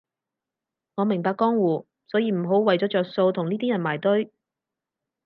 我明白江湖，所以唔好為咗着數同呢啲人埋堆